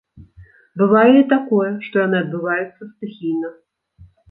Бывае і такое, што яны адбываюцца стыхійна.